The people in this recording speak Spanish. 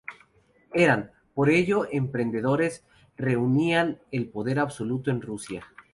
Eran, por ello, emperadores, reunían el poder absoluto en Rusia.